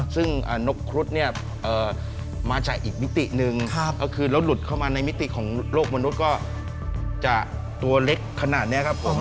ซึ่งนกครุฑเนี่ยมาจากอีกมิติหนึ่งก็คือแล้วหลุดเข้ามาในมิติของโลกมนุษย์ก็จะตัวเล็กขนาดนี้ครับผม